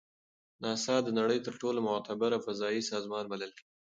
ناسا د نړۍ تر ټولو معتبر فضایي سازمان بلل کیږي.